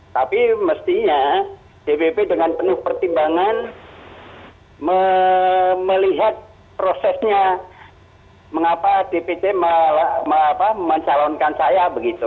tapi mestinya dpp dengan penuh pertimbangan melihat prosesnya mengapa dpc mencalonkan saya begitu